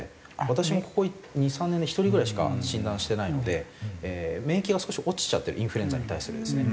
私もここ２３年で１人ぐらいしか診断してないので免疫が少し落ちちゃってるインフルエンザに対するですね。